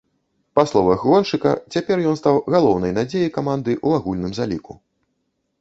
Па словах гоншчыка цяпер ён стаў галоўнай надзеяй каманды ў агульным заліку.